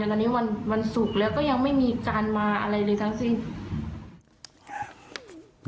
มาตั้งแต่วันสุขแล้วก็ยังไม่มีการมาอะไรเลยทั้งสิน